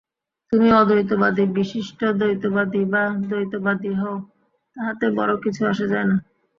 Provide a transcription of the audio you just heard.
তুমি অদ্বৈতবাদী, বিশিষ্টাদ্বৈতবাদী বা দ্বৈতবাদী হও, তাহাতে বড় কিছু আসে যায় না।